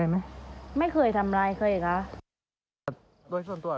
ใช่ค่ะ